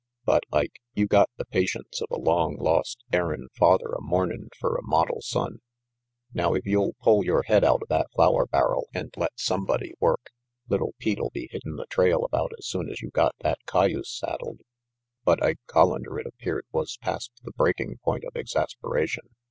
But, Ike, you got the patience of a long lost, errin' father a mournin' fer a model RANGY PETE 59 son. Now if you'll pull your head outa that flour barrel and let sumbody work, little Pete'll be hittin' the trail about as soon's you got that cayuse saddled." But Ike Collander, it appeared, was past the breaking point of exasperation.